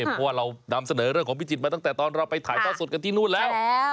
เพราะว่าเรานำเสนอเรื่องของพิจิตรมาตั้งแต่ตอนเราไปถ่ายทอดสดกันที่นู่นแล้ว